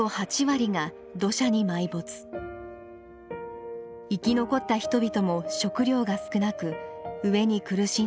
生き残った人々も食料が少なく飢えに苦しんだそうです。